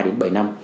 nếu mà chúng ta